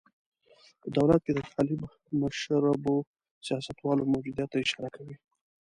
په دولت کې د طالب مشربو سیاستوالو موجودیت ته اشاره کوي.